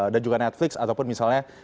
dan juga netflix ataupun misalnya